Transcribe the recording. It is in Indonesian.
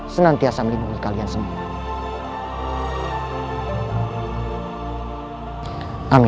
senantiasa melindungi kalian semua